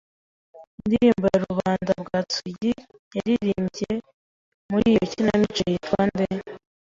Indirimbo ya rubanda Bwana Tsugi yaririmbye muri iyo kinamico yitwa nde?